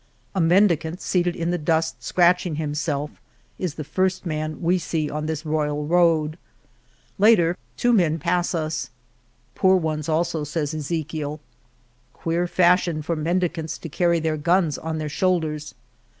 A mendicant, seated in the dust scratching himself, is the first man we see on this royal road. Later two men pass us. Poor ones also," says Ezechiel. Queer fashion for mendicants to carry their guns on their shoulders